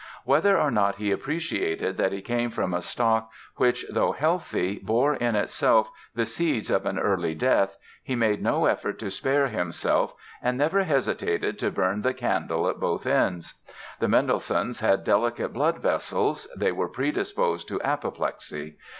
Whether or not he appreciated that he came from a stock which, though healthy, bore in itself the seeds of an early death he made no effort to spare himself and never hesitated to burn the candle at both ends. The Mendelssohns had delicate blood vessels, they were predisposed to apoplexy.